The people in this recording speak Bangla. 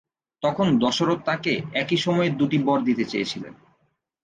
তখন দশরথ তাঁকে একই সময়ে দুটি বর দিতে চেয়েছিলেন।